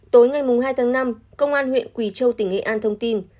tối ngày hai tháng năm công an huyện quỳ châu tỉnh nghệ an thông tin